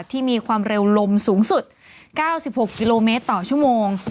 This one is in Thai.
ที่มีความเร็วลมสูงสุด๙๖กิโลเมตรต่อชั่วโมง